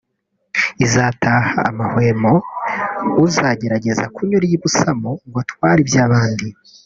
itazaha amahwemo uzagerageza kunyura iy’ibusamo ngo atware iby’abandi